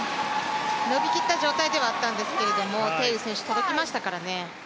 伸びきった状態ではあったんですけれども、鄭雨選手届きましたからね。